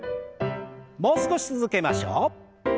もう少し続けましょう。